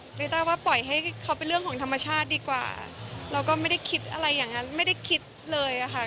ลิต้าว่าปล่อยให้เขาเป็นเรื่องของธรรมชาติดีกว่าเราก็ไม่ได้คิดอะไรอย่างนั้นไม่ได้คิดเลยอะค่ะ